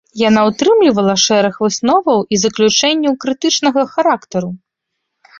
Яна утрымлівала шэраг высноваў і заключэнняў крытычнага характару.